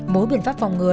mỗi biện pháp phòng ngừa